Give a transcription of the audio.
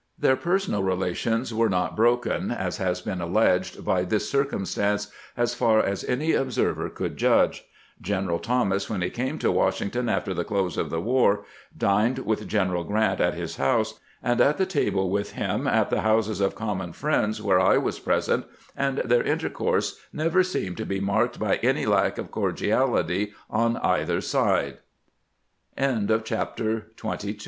Their personal relations were not broken, as has been alleged, by this circumstance, as far as an observer could judge. General Thomas, when he came to Washington after the close of the war, dined with General Grant at his house, and at the table with him at the houses of common friends, where I was present, and their inter course never seemed to be